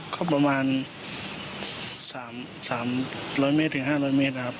ก็ประมาณ๓๐๐๕๐๐เมตรครับ